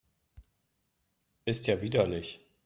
Ist ja widerlich!